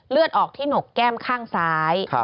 เลือดออกที่หนกแก้มข้างซ้าย